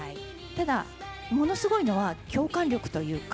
ただ、ものすごいのは共感力というか。